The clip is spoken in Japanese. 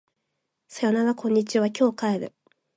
さよならこんにちは今日帰る